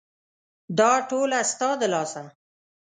دا ټوله ستا د لاسه !